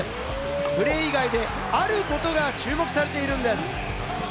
プレー以外であることが注目されているんです。